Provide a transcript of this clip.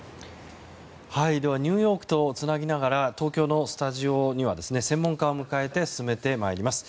ではニューヨークとつなぎながら東京のスタジオには専門家を迎えて進めてまいります。